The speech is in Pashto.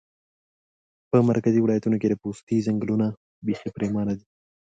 په مرکزي ولایتونو کې د پوستې ځنګلونه پیخي پرېمانه دي